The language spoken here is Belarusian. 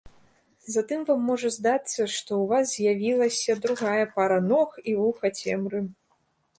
Затым вам можа здацца, што ў вас з'явілася другая пара ног і вуха цемры.